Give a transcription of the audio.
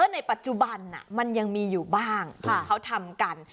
ในปัจจุบันมันยังมีอยู่บ้างที่เขาทำกัน